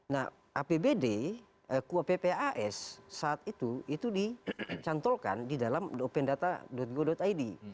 nah apbd kuappas saat itu itu dicantolkan di dalam open data go id